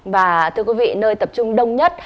và thưa quý vị nơi tập trung đông nhất